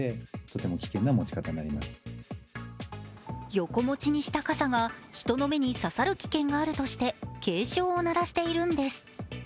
横持ちにした傘が人の目に刺さる危険があるとして警鐘を鳴らしているんです。